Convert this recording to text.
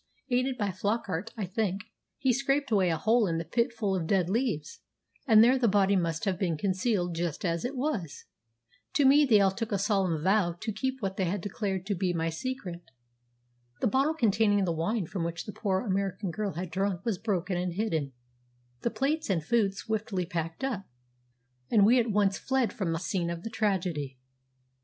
"Aided by Flockart, I think, he scraped away a hole in a pit full of dead leaves, and there the body must have been concealed just as it was. To me they all took a solemn vow to keep what they declared to be my secret. The bottle containing the wine from which the poor American girl had drunk was broken and hidden, the plates and food swiftly packed up, and we at once fled from the scene of the tragedy.